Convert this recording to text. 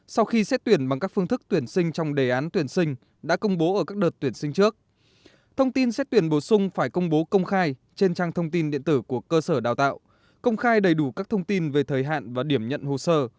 sau khi xét tuyển bằng các phương thức tuyển sinh trong đề án tuyển sinh đã công bố ở các đợt tuyển sinh trước thông tin xét tuyển bổ sung phải công bố công khai trên trang thông tin điện tử của cơ sở đào tạo công khai đầy đủ các thông tin về thời hạn và điểm nhận hồ sơ